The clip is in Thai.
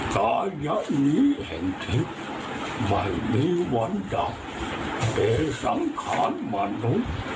กะยันนี่แห่งเทียกมีมีวันดาดิสังคานมันหู